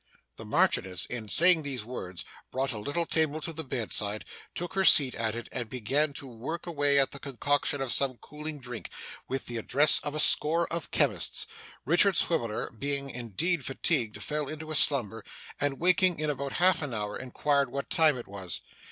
The Marchioness, in saying these words, brought a little table to the bedside, took her seat at it, and began to work away at the concoction of some cooling drink, with the address of a score of chemists. Richard Swiveller being indeed fatigued, fell into a slumber, and waking in about half an hour, inquired what time it was.